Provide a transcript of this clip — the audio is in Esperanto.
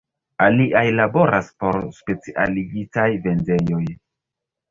Aliaj laboras por specialigitaj vendejoj.